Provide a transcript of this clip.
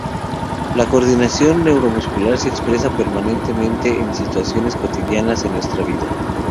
La coordinación neuromuscular se expresa permanentemente en situaciones cotidianas en nuestra vida.